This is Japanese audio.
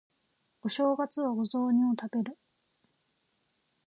お正月はお雑煮を食べる